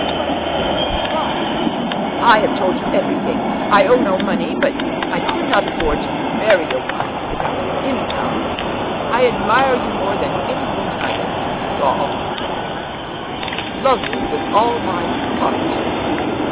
"Oh, Lord Fawn!" "I have told you everything. I owe no money, but I could not afford to marry a wife without an income. I admire you more than any woman I ever saw. I love you with all my heart."